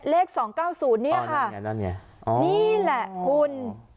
เลขสองเก้าศูนย์เนี่ยค่ะอ๋อนั่นไงนั่นนี่แหละคุณ